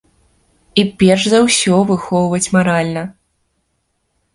І перш за ўсё выхоўваць маральна.